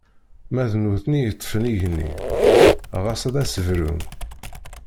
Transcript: Ma d nutni i yeṭṭfen igenni, ɣas ad s-d-brun!